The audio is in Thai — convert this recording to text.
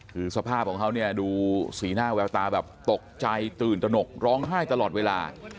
คือสภาพของเขาเนี่ยดูสีหน้าแววตาแบบตกใจตื่นตนกร้องไห้ตลอดเวลา